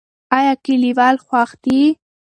ایا کلیوال خوښ دي؟